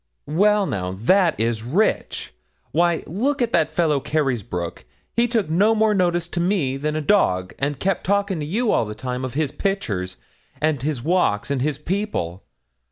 'Well, now, that is rich! Why, look at that fellow, Carysbroke: he took no more notice to me than a dog, and kep' talking to you all the time of his pictures, and his walks, and his people.